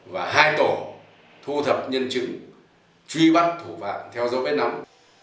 và hai tổ thu thập nhân chứng truy bắt thủ phạm theo dấu vết nóng